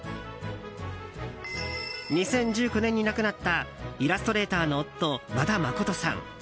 ２０１９年に亡くなったイラストレーターの夫和田誠さん。